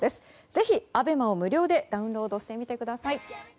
ぜひ、Ａｂｅｍａを無料でダウンロードしてみてください。